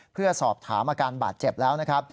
เพื่อสอบถามอาการบาดเจ็บแล้วนะครับ